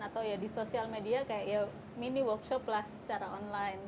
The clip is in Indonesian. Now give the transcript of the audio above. atau ya di sosial media kayak ya mini workshop lah secara online